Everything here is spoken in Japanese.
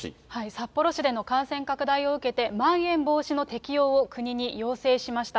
札幌市での感染拡大を受けて、まん延防止の適用を国に要請しました。